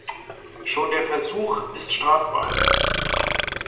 Schon der Versuch ist strafbar.